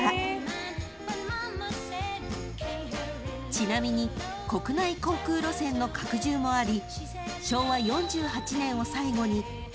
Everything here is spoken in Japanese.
［ちなみに国内航空路線の拡充もあり］